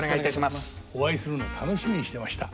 お会いするのを楽しみにしていました。